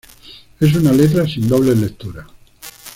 Es una letra sin dobles lecturas.